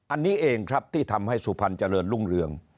อันนี้เองครับที่ทำให้สุพรรณเจริญรุ่งเรือง